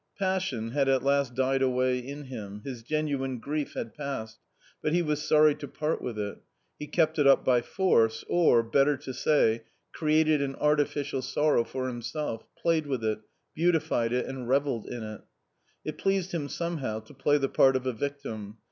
Passion had at last died away in him, his genuine grief had passed, but he was sorry to part with it ; he kept ^ it up by force or, better to say, created an artificial sorrow for himself, played with it, beautified it and revelled in it. It pleased him somehow to play the part of a victim.